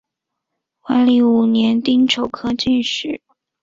万历五年丁丑科进士。